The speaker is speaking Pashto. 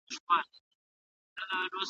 د مېرمني سره ښه او نېک ژوند وکړئ.